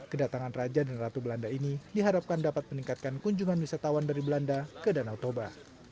kedatangan raja dan ratu belanda ini diharapkan dapat meningkatkan kunjungan wisatawan dari belanda ke danau toba